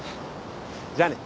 じゃあね。